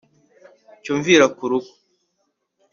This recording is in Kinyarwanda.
cyo mvira kurugo